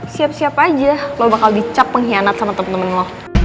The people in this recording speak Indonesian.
siap siap aja lo bakal dicap pengkhianat sama teman teman lo